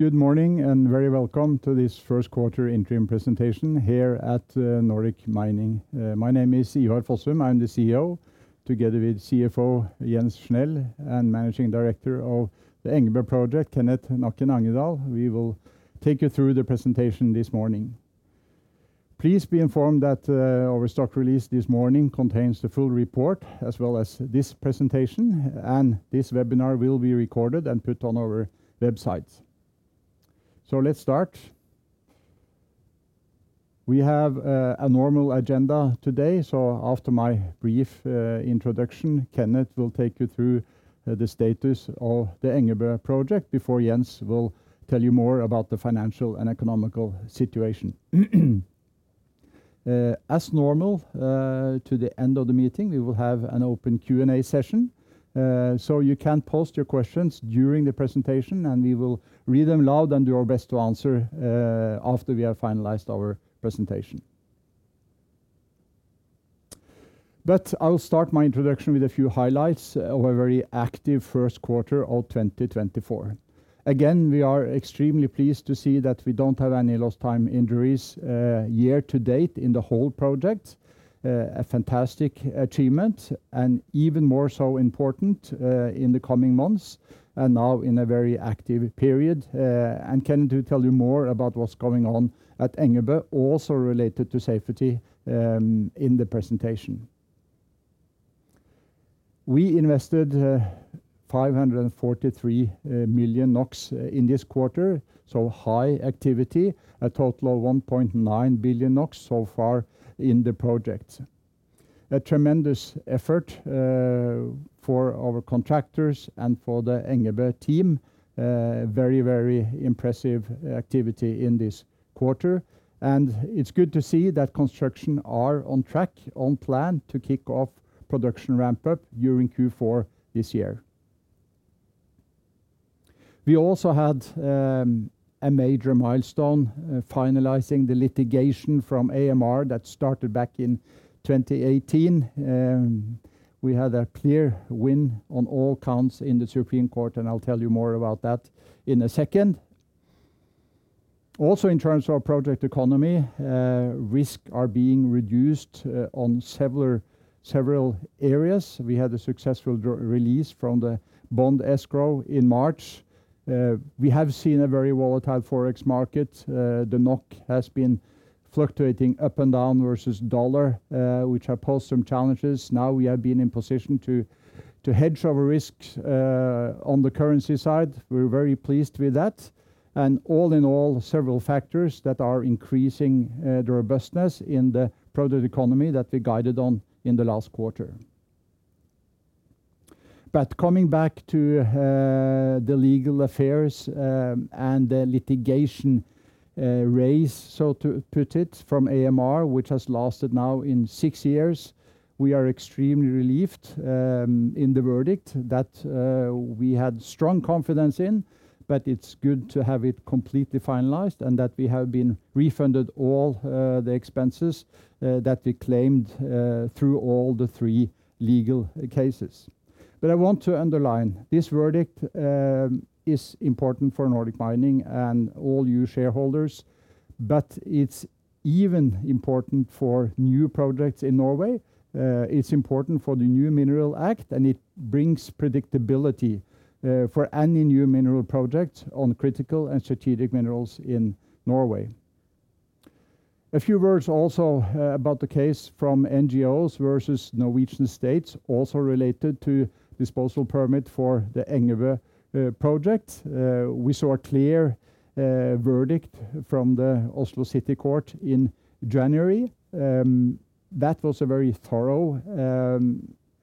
Good morning, and very welcome to this Q1 interim presentation here at Nordic Mining. My name is Ivar Fossum. I'm the CEO, together with CFO Jens Schnelle and Managing Director of the Engebø Project, Kenneth Nakken Angedal. We will take you through the presentation this morning. Please be informed that our stock release this morning contains the full report, as well as this presentation, and this webinar will be recorded and put on our website. So let's start. We have a normal agenda today, so after my brief introduction, Kenneth will take you through the status of the Engebø Project before Jens will tell you more about the financial and economic situation. As normal, to the end of the meeting, we will have an open Q&A session. So you can post your questions during the presentation, and we will read them aloud and do our best to answer, after we have finalized our presentation. But I'll start my introduction with a few highlights of a very active Q1 of 2024. Again, we are extremely pleased to see that we don't have any lost time injuries, year to date in the whole project. A fantastic achievement and even more so important, in the coming months and now in a very active period. And Kenneth will tell you more about what's going on at Engebø, also related to safety, in the presentation. We invested 543 million NOK in this quarter, so high activity, a total of 1.9 billion NOK so far in the project. A tremendous effort for our contractors and for the Engebø team. Very, very impressive activity in this quarter, and it's good to see that construction are on track, on plan, to kick off production ramp-up during Q4 this year. We also had a major milestone finalizing the litigation from AMR that started back in 2018. We had a clear win on all counts in the Supreme Court, and I'll tell you more about that in a second. Also, in terms of our project economy, risk are being reduced on several, several areas. We had a successful draw release from the bond escrow in March. We have seen a very volatile Forex market. The NOK has been fluctuating up and down versus dollar, which have posed some challenges. Now, we have been in position to hedge our risks on the currency side. We're very pleased with that, and all in all, several factors that are increasing the robustness in the project economy that we guided on in the last quarter. But coming back to the legal affairs and the litigation case, so to put it, from AMR, which has lasted now in six years, we are extremely relieved in the verdict that we had strong confidence in. But it's good to have it completely finalized and that we have been refunded all the expenses that we claimed through all the three legal cases. But I want to underline, this verdict is important for Nordic Mining and all you shareholders, but it's even important for new projects in Norway. It's important for the new Mineral Act, and it brings predictability for any new mineral project on critical and strategic minerals in Norway. A few words also about the case from NGOs versus Norwegian State, also related to disposal permit for the Engebø project. We saw a clear verdict from the Oslo City Court in January. That was a very thorough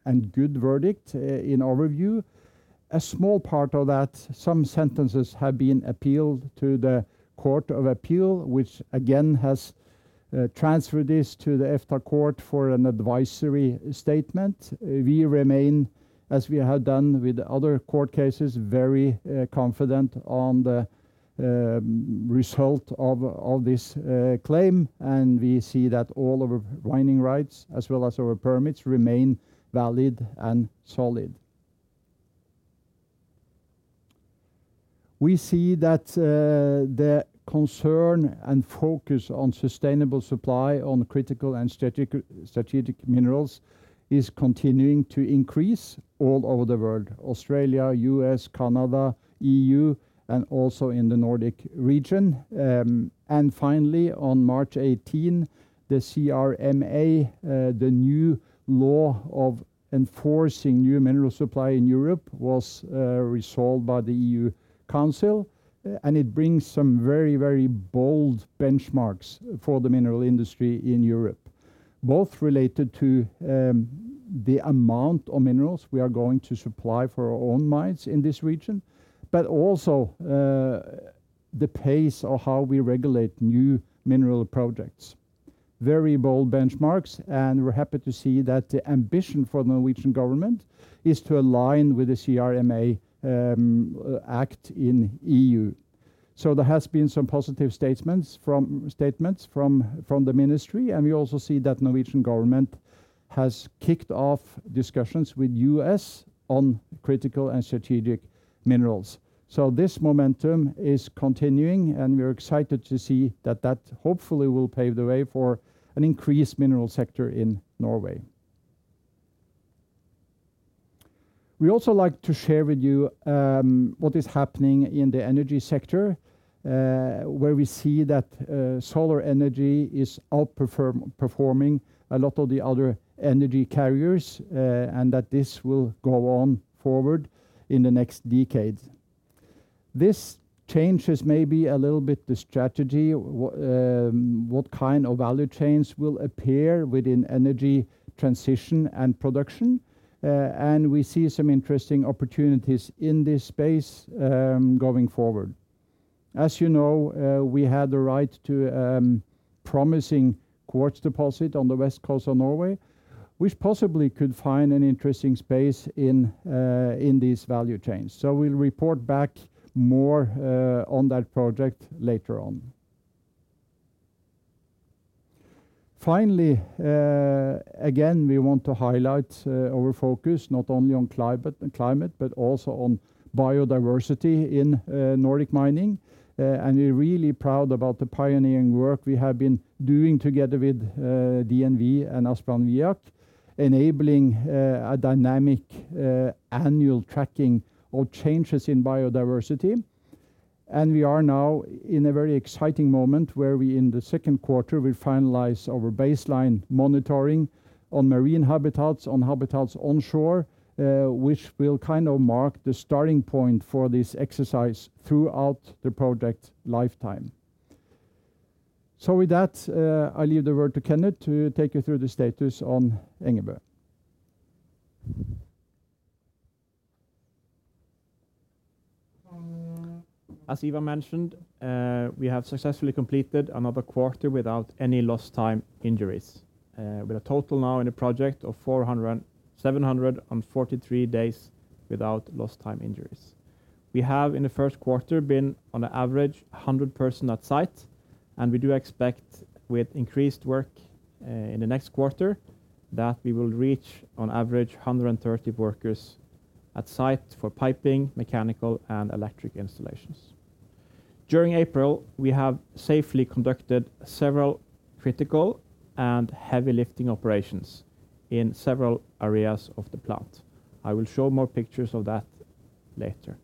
and good verdict in our view. A small part of that, some sentences have been appealed to the Court of Appeal, which again has transferred this to the EFTA Court for an advisory statement. We remain, as we have done with other court cases, very confident on the result of this claim, and we see that all our mining rights, as well as our permits, remain valid and solid. We see that, the concern and focus on sustainable supply on critical and strategic, strategic minerals is continuing to increase all over the world: Australia, U.S., Canada, EU, and also in the Nordic region. And finally, on March eighteen, the CRMA, the new law of enforcing new mineral supply in Europe, was, resolved by the EU Council, and it brings some very, very bold benchmarks for the mineral industry in Europe. Both related to, the amount of minerals we are going to supply for our own mines in this region, but also, the pace of how we regulate new mineral projects. Very bold benchmarks, and we're happy to see that the ambition for the Norwegian government is to align with the CRMA, act in EU.... So there has been some positive statements from the ministry, and we also see that Norwegian government has kicked off discussions with U.S. on critical and strategic minerals. So this momentum is continuing, and we are excited to see that that hopefully will pave the way for an increased mineral sector in Norway. We also like to share with you what is happening in the energy sector, where we see that solar energy is outperforming a lot of the other energy carriers, and that this will go on forward in the next decade. This changes maybe a little bit the strategy, what kind of value chains will appear within energy transition and production, and we see some interesting opportunities in this space, going forward. As you know, we had the right to promising quartz deposit on the west coast of Norway, which possibly could find an interesting space in these value chains. So we'll report back more on that project later on. Finally, again, we want to highlight our focus, not only on climate-climate, but also on biodiversity in Nordic Mining. We're really proud about the pioneering work we have been doing together with DNV and Asplan Viak, enabling a dynamic annual tracking of changes in biodiversity. We are now in a very exciting moment where we, in the Q2, will finalize our baseline monitoring on marine habitats, on habitats onshore, which will kind of mark the starting point for this exercise throughout the project lifetime. So with that, I leave the word to Kenneth to take you through the status on Engebø. As Ivar mentioned, we have successfully completed another quarter without any lost time injuries, with a total now in the project of 743 days without lost time injuries. We have, in the Q1, been on average 100 people at site, and we do expect with increased work, in the next quarter, that we will reach on average 130 workers at site for piping, mechanical, and electric installations. During April, we have safely conducted several critical and heavy lifting operations in several areas of the plant. I will show more pictures of that later.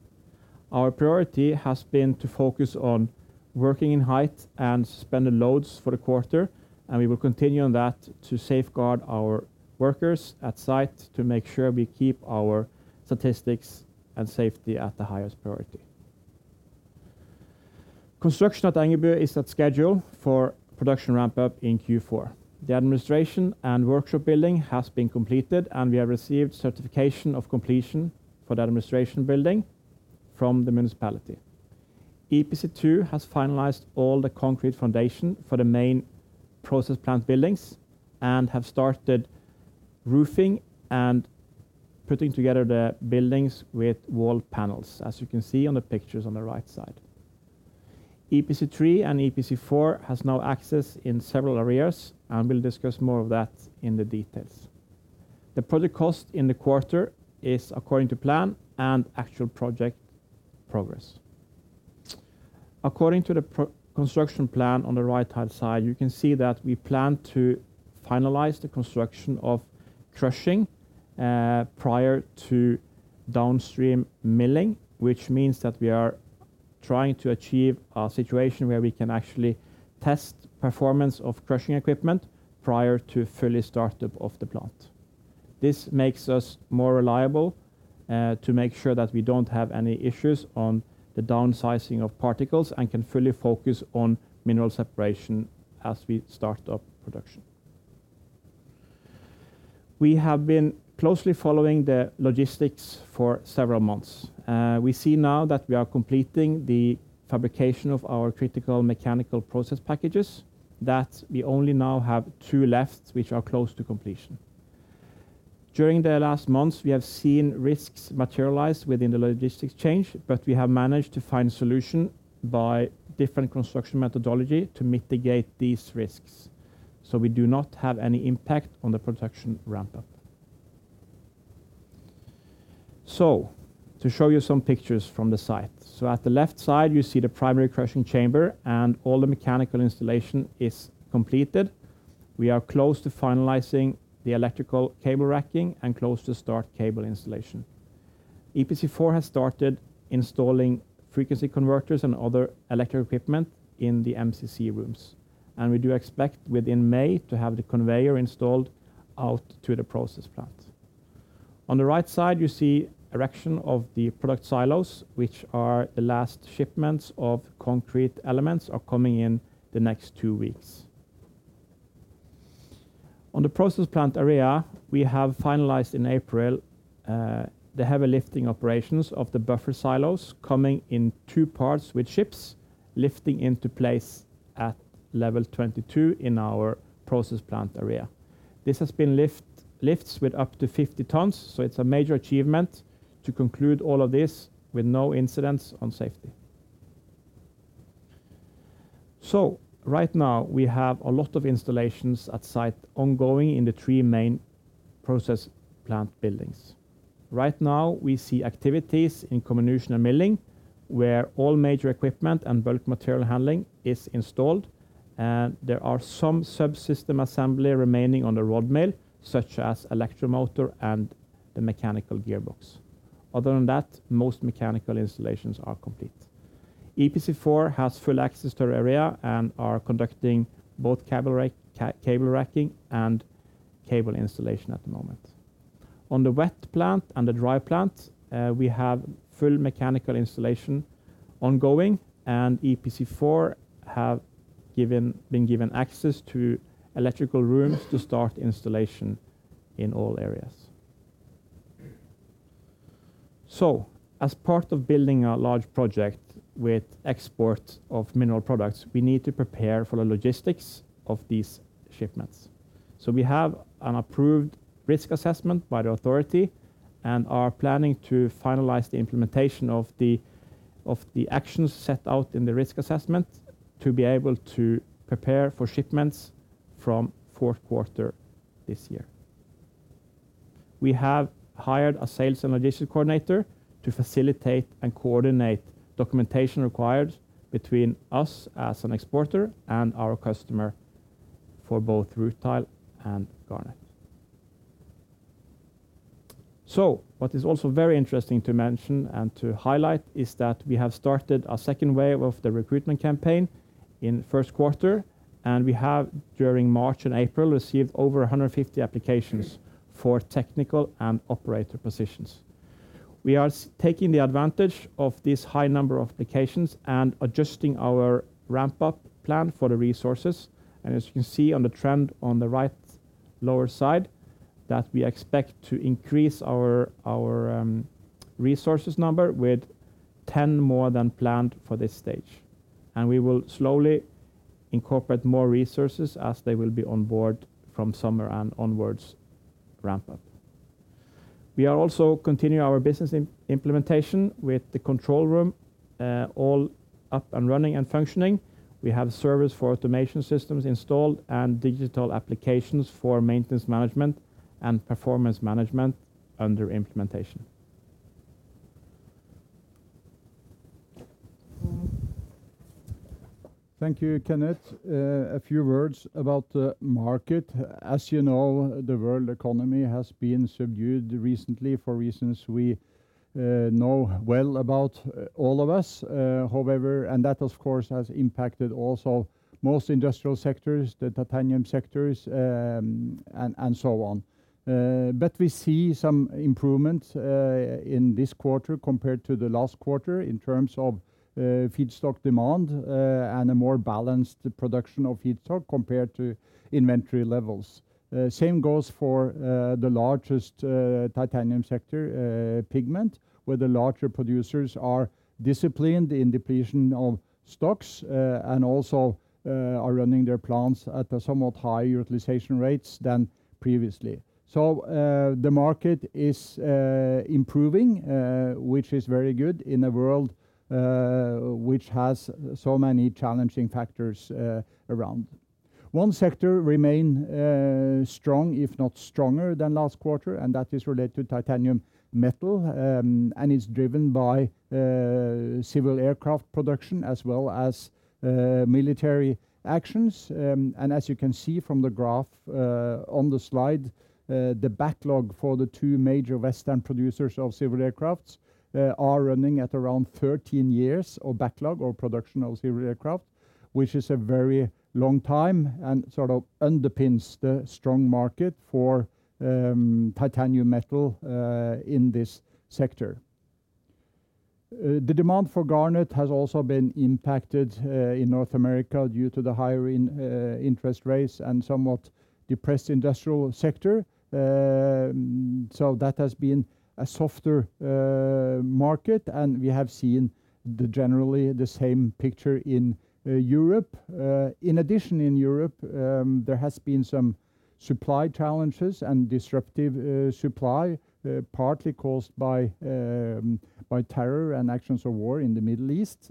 Our priority has been to focus on working in height and suspended loads for the quarter, and we will continue on that to safeguard our workers at site, to make sure we keep our statistics and safety at the highest priority. Construction at Engebø is at schedule for production ramp-up in Q4. The administration and workshop building has been completed, and we have received certification of completion for the administration building from the municipality. EPC2 has finalized all the concrete foundation for the main process plant buildings and have started roofing and putting together the buildings with wall panels, as you can see on the pictures on the right side. EPC3 and EPC4 has now access in several areas, and we'll discuss more of that in the details. The project cost in the quarter is according to plan and actual project progress. According to the pre-construction plan on the right-hand side, you can see that we plan to finalize the construction of crushing prior to downstream milling, which means that we are trying to achieve a situation where we can actually test performance of crushing equipment prior to fully start-up of the plant. This makes us more reliable to make sure that we don't have any issues on the downsizing of particles and can fully focus on mineral separation as we start up production. We have been closely following the logistics for several months. We see now that we are completing the fabrication of our critical mechanical process packages, that we only now have two left, which are close to completion. During the last months, we have seen risks materialize within the logistics change, but we have managed to find solution by different construction methodology to mitigate these risks, so we do not have any impact on the production ramp-up. To show you some pictures from the site. At the left side, you see the primary crushing chamber, and all the mechanical installation is completed. We are close to finalizing the electrical cable racking and close to start cable installation. EPC4 has started installing frequency converters and other electric equipment in the MCC rooms, and we do expect within May to have the conveyor installed out to the process plant. On the right side, you see erection of the product silos, which are the last shipments of concrete elements, are coming in the next 2 weeks. On the process plant area, we have finalized in April the heavy lifting operations of the buffer silos coming in two parts with ships lifting into place at level 22 in our process plant area. This has been lifts with up to 50 tons, so it's a major achievement to conclude all of this with no incidents on safety. So right now, we have a lot of installations at site ongoing in the three main process plant buildings. Right now, we see activities in comminution and milling, where all major equipment and bulk material handling is installed, and there are some subsystem assembly remaining on the rod mill, such as electric motor and the mechanical gearbox. Other than that, most mechanical installations are complete. EPC4 has full access to our area and are conducting both cable racking and cable installation at the moment. On the wet plant and the dry plant, we have full mechanical installation ongoing, and EPC4 has been given access to electrical rooms to start installation in all areas. So as part of building a large project with export of mineral products, we need to prepare for the logistics of these shipments. So we have an approved risk assessment by the authority and are planning to finalize the implementation of the actions set out in the risk assessment to be able to prepare for shipments from Q4 this year. We have hired a sales and logistics coordinator to facilitate and coordinate documentation required between us as an exporter and our customer for both rutile and garnet. So what is also very interesting to mention and to highlight is that we have started a second wave of the recruitment campaign in Q1, and we have, during March and April, received over 150 applications for technical and operator positions. We are taking the advantage of this high number of applications and adjusting our ramp-up plan for the resources. And as you can see on the trend on the right lower side, that we expect to increase our resources number with 10 more than planned for this stage. And we will slowly incorporate more resources as they will be on board from summer and onwards ramp-up. We are also continuing our business implementation with the control room all up and running and functioning. We have service for automation systems installed and digital applications for maintenance management and performance management under implementation. Thank you, Kenneth. A few words about the market. As you know, the world economy has been subdued recently, for reasons we know well about, all of us. However, that, of course, has impacted also most industrial sectors, the titanium sectors, and so on. But we see some improvement in this quarter compared to the last quarter in terms of feedstock demand and a more balanced production of feedstock compared to inventory levels. Same goes for the largest titanium sector, pigment, where the larger producers are disciplined in depletion of stocks and also are running their plants at a somewhat higher utilization rates than previously. So, the market is improving, which is very good in a world which has so many challenging factors around. One sector remains strong, if not stronger than last quarter, and that is related to titanium metal, and is driven by civil aircraft production as well as military actions. As you can see from the graph on the slide, the backlog for the two major Western producers of civil aircrafts are running at around 13 years of backlog or production of civil aircraft, which is a very long time and sort of underpins the strong market for titanium metal in this sector. The demand for garnet has also been impacted in North America due to the higher in interest rates and somewhat depressed industrial sector. So that has been a softer market, and we have seen generally the same picture in Europe. In addition, in Europe, there has been some supply challenges and disruptive supply, partly caused by terror and actions of war in the Middle East,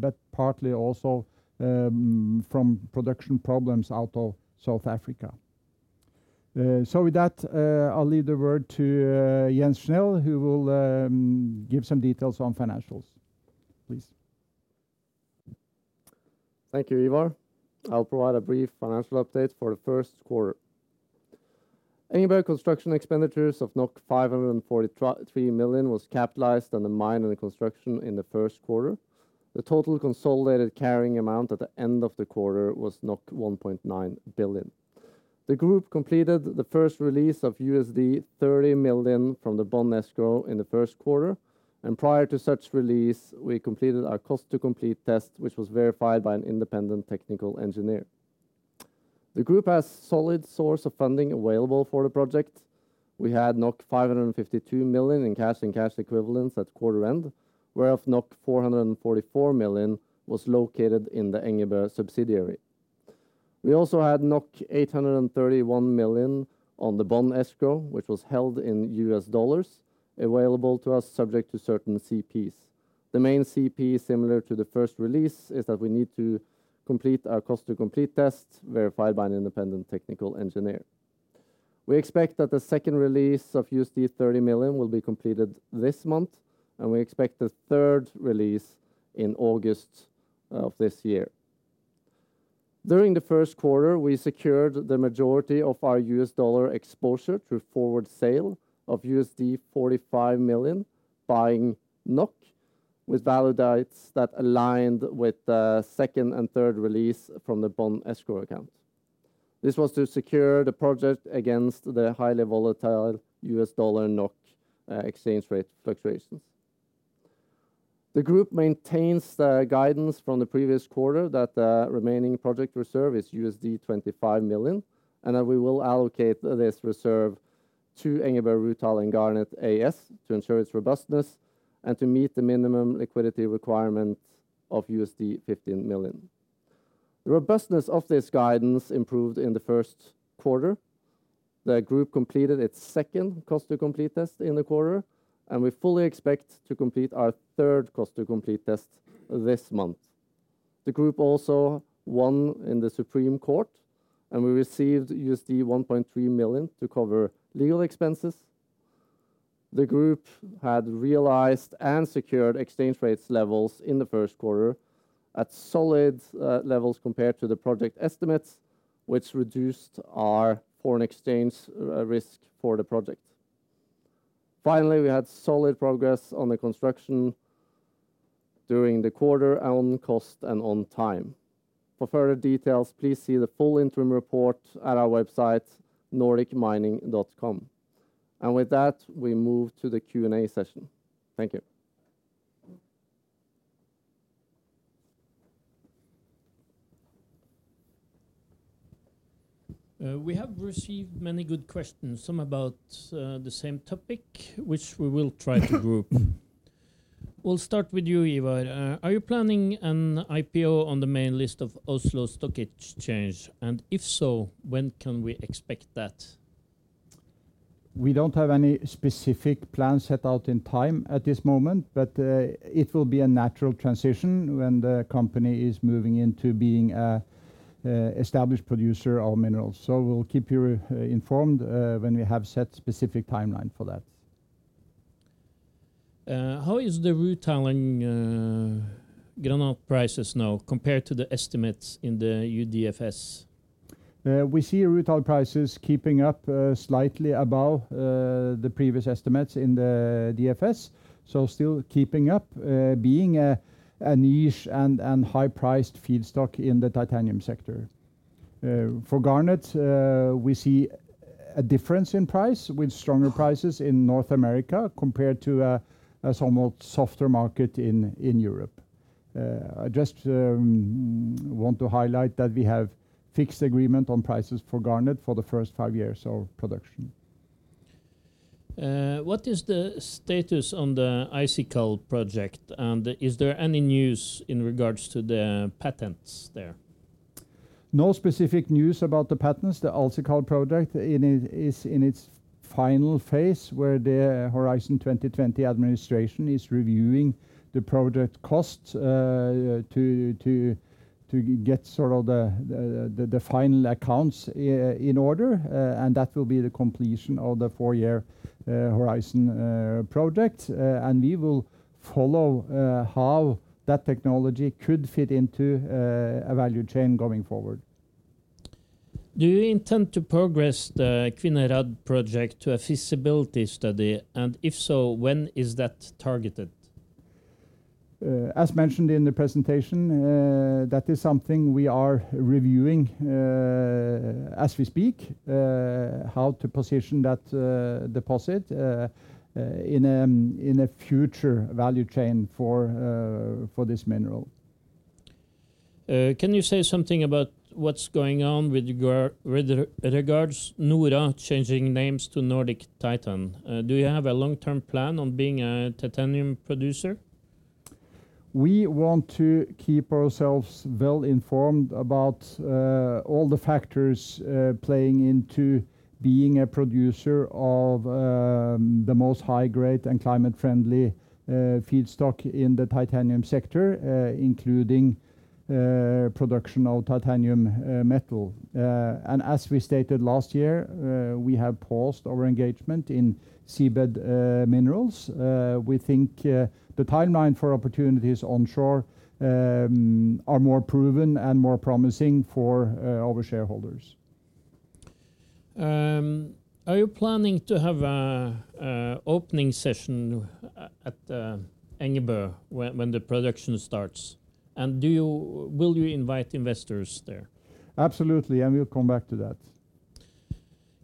but partly also from production problems out of South Africa. So with that, I'll leave the word to Jens Schnelle, who will give some details on financials. Please. Thank you, Ivar. I'll provide a brief financial update for the Q1. Engebø construction expenditures of 543 million was capitalized on the mine and the construction in the Q1. The total consolidated carrying amount at the end of the quarter was 1.9 billion. The group completed the first release of $30 million from the bond escrow in the Q1, and prior to such release, we completed our cost-to-complete test, which was verified by an independent technical engineer. The group has solid source of funding available for the project.... We had 552 million in cash and cash equivalents at quarter end, whereof 444 million was located in the Engebø subsidiary. We also had 831 million on the bond escrow, which was held in US dollars, available to us subject to certain CPs. The main CP, similar to the first release, is that we need to complete our Cost-to-Complete Test, verified by an independent technical engineer. We expect that the second release of $30 million will be completed this month, and we expect the third release in August of this year. During the Q1, we secured the majority of our U.S. dollar exposure through forward sale of $45 million, buying NOK with valid dates that aligned with the second and third release from the Bond Escrow account. This was to secure the project against the highly volatile U.S. dollar-NOK exchange rate fluctuations. The group maintains the guidance from the previous quarter that the remaining project reserve is $25 million, and that we will allocate this reserve to Engebø Rutile and Garnet AS to ensure its robustness and to meet the minimum liquidity requirement of $15 million. The robustness of this guidance improved in the Q1. The group completed its second cost-to-complete test in the quarter, and we fully expect to complete our third cost-to-complete test this month. The group also won in the Supreme Court, and we received $1.3 million to cover legal expenses. The group had realized and secured exchange rates levels in the Q1 at solid levels compared to the project estimates, which reduced our foreign exchange risk for the project. Finally, we had solid progress on the construction during the quarter, on cost and on time. For further details, please see the full interim report at our website, nordicmining.com. With that, we move to the Q&A session. Thank you. We have received many good questions, some about the same topic, which we will try to group. We'll start with you, Ivar. Are you planning an IPO on the main list of Oslo Stock Exchange? And if so, when can we expect that? We don't have any specific plans set out in time at this moment, but it will be a natural transition when the company is moving into being a established producer of minerals. So we'll keep you informed when we have set specific timeline for that. How is the rutile and garnet prices now compared to the estimates in the UDFS? We see rutile prices keeping up, slightly above, the previous estimates in the DFS, so still keeping up, being a niche and high-priced feedstock in the titanium sector. For garnet, we see a difference in price, with stronger prices in North America compared to a somewhat softer market in Europe. I just want to highlight that we have fixed agreement on prices for garnet for the first five years of production. What is the status on the AlSiCal project, and is there any news in regards to the patents there? No specific news about the patents. The AlSiCal project, it is in its final phase, where the Horizon 2020 administration is reviewing the project costs, to get sort of the final accounts in order, and that will be the completion of the four-year Horizon project. And we will follow how that technology could fit into a value chain going forward. Do you intend to progress the Kvinnherad project to a feasibility study? And if so, when is that targeted? As mentioned in the presentation, that is something we are reviewing, as we speak, how to position that deposit, in a future value chain for this mineral. Can you say something about what's going on with regard, with regards NORA changing names to Nordic Titanium? Do you have a long-term plan on being a titanium producer? We want to keep ourselves well informed about all the factors playing into being a producer of the most high-grade and climate-friendly feedstock in the titanium sector, including production of titanium metal. And as we stated last year, we have paused our engagement in seabed minerals. We think the timeline for opportunities onshore are more proven and more promising for our shareholders. Are you planning to have an opening session at Engebø when production starts? And will you invite investors there? Absolutely, and we'll come back to that.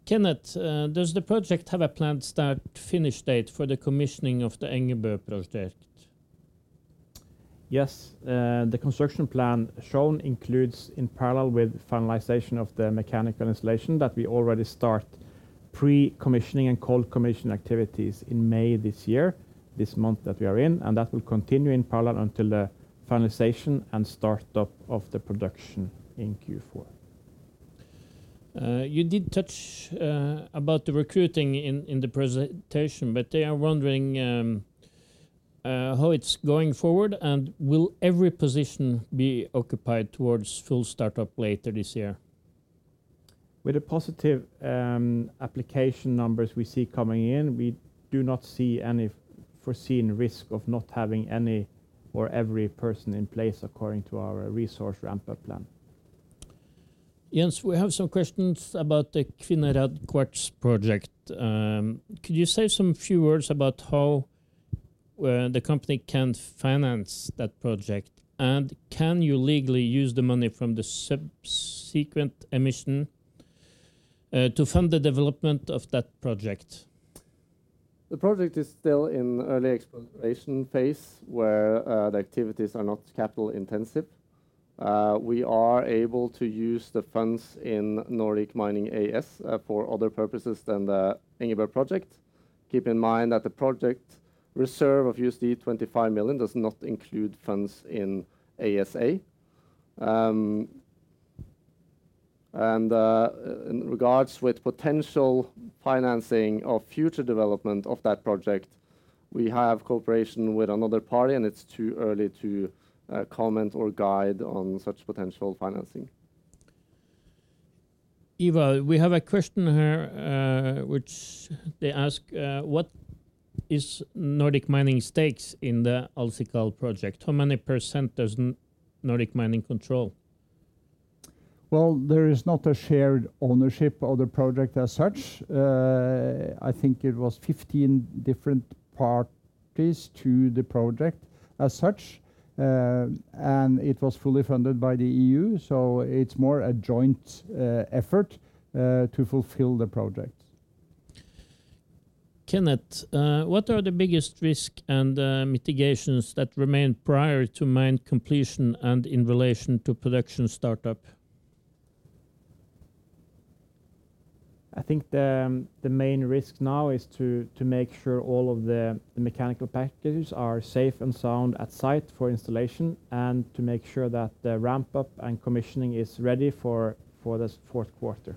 Kenneth, does the project have a planned start to finish date for the commissioning of the Engebø project? Yes, the construction plan shown includes, in parallel with finalization of the mechanical installation, that we already start pre-commissioning and cold commissioning activities in May this year, this month that we are in, and that will continue in parallel until the finalization and start up of the production in Q4. You did touch about the recruiting in the presentation, but they are wondering how it's going forward, and will every position be occupied towards full startup later this year? With the positive, application numbers we see coming in, we do not see any foreseen risk of not having any or every person in place according to our resource ramp-up plan. Jens, we have some questions about the Kvinnherad Quartz project. Could you say some few words about how the company can finance that project? Can you legally use the money from the subsequent emission to fund the development of that project? The project is still in early exploration phase, where the activities are not capital intensive. We are able to use the funds in Nordic Mining ASA for other purposes than the Engebø project. Keep in mind that the project reserve of $25 million does not include funds in ASA. In regards with potential financing of future development of that project, we have cooperation with another party, and it's too early to comment or guide on such potential financing. Ivar, we have a question here, which they ask: What is Nordic Mining stakes in the AlSiCal project? How many % does Nordic Mining control? Well, there is not a shared ownership of the project as such. I think it was 15 different parties to the project as such. And it was fully funded by the EU, so it's more a joint effort to fulfill the project. Kenneth, what are the biggest risk and mitigations that remain prior to mine completion and in relation to production startup? I think the main risk now is to make sure all of the mechanical packages are safe and sound at site for installation, and to make sure that the ramp-up and commissioning is ready for this Q4.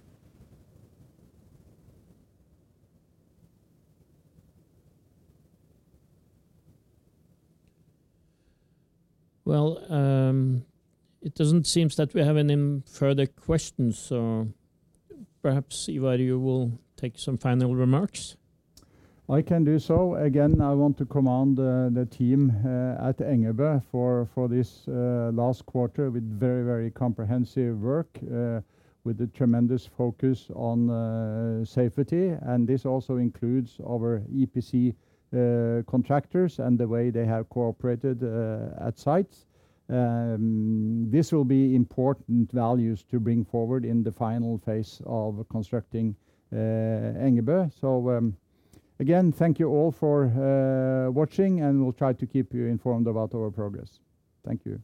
Well, it doesn't seem that we have any further questions, so perhaps, Ivar, you will take some final remarks. I can do so. Again, I want to commend the team at Engebø for this last quarter with very, very comprehensive work with a tremendous focus on safety, and this also includes our EPC contractors and the way they have cooperated at sites. This will be important values to bring forward in the final phase of constructing Engebø. So, again, thank you all for watching, and we'll try to keep you informed about our progress. Thank you.